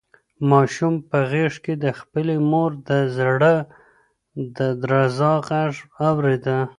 ماشوم په غېږ کې د خپلې مور د زړه د درزا غږ اورېده.